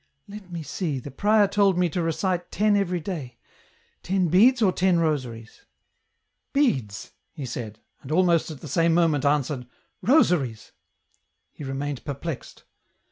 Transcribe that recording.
" Let me see, the prior told me to recite ten every day — ten beads or ten rosaries ?"Beads," he said, and almost at the same moment answered, "Rosaries." He remained perplexed.